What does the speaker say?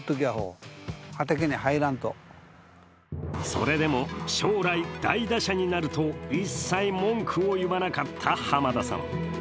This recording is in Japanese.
それでも将来大打者になると一切文句を言わなかった濱田さん。